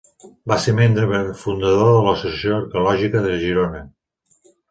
Va ser membre fundador de l'Associació Arqueològica de Girona.